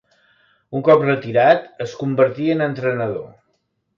Un cop retirat es convertí en entrenador.